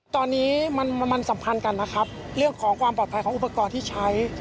ตอนนี้มันสัมพันธ์กันนะครับเรื่องของความปลอดภัยของอุปกรณ์ที่ใช้